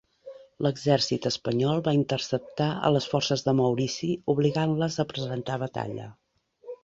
L'exèrcit espanyol va interceptar a les forces de Maurici obligant-les a presentar batalla.